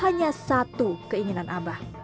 hanya satu yang inginman abah